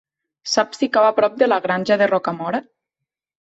Saps si cau a prop de la Granja de Rocamora?